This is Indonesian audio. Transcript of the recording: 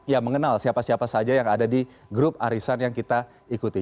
yang mengenal siapa siapa saja yang ada di grup arisan yang kita ikuti